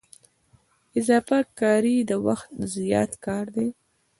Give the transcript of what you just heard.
اضافه کاري د وخت زیات کار دی